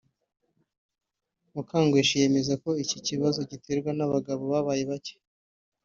Mukangweshi yemeza ko iki kibazo giterwa n’abagabo babaye bake